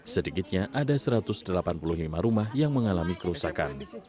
sedikitnya ada satu ratus delapan puluh lima rumah yang mengalami kerusakan